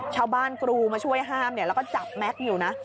ชาวบ้านกรูมาช่วยห้ามแล้วก็จับแม็กซ์อยู่นะ